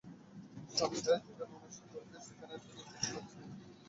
শ্রমিকেরা যেখানে অনশন করছেন, সেখানে তিনি ঈদের শুভেচ্ছা বিনিময় করে বেড়ান।